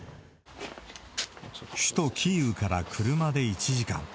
首都キーウから車で１時間。